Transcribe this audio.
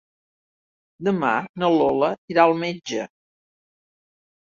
Demà na Lola irà al metge.